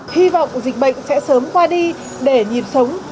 hy vọng dịch bệnh sẽ sớm qua đi để nhìn sống